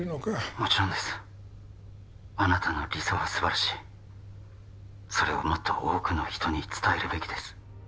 もちろんですあなたの理想は素晴らしいそれをもっと多くの人に伝えるべきです